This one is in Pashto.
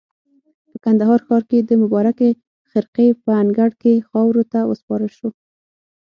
په کندهار ښار کې د مبارکې خرقې په انګړ کې خاورو ته وسپارل شو.